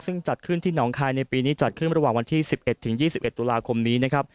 ซึ่งจัดขึ้นที่หนองคายในปีนี้จัดขึ้นระหว่างวันที่๑๑๒๑ตุลาคมนี้นะครับ